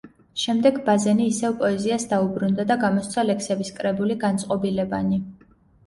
შემდეგ ბაზენი ისევ პოეზიას დაუბრუნდა და გამოსცა ლექსების კრებული „განწყობილებანი“.